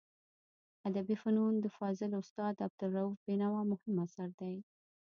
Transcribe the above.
ادبي فنون د فاضل استاد عبدالروف بینوا مهم اثر دی.